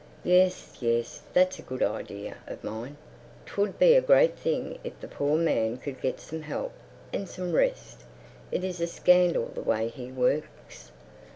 Yes, yes, that's a good idea of mine. 'Twould be a great thing if the poor man could get some help—and some rest. It is a scandal the way he works.